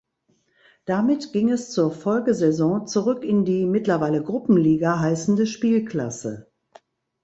Damit ging es zur Folgesaison zurück in die mittlerweile Gruppenliga heißende Spielklasse.